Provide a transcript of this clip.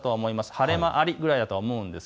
晴れ間ありぐらいだと思います。